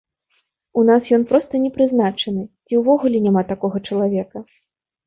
У нас ён проста не прызначаны, ці ўвогуле няма такога чалавека?